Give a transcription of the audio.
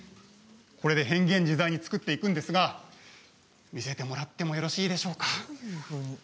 変幻自在に作っていくんですが見せてもらってもよろしいでしょうか。